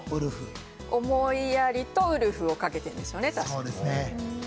思いやりとウルフをかけてるんでしょうね。